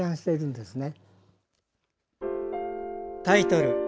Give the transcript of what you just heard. タイトル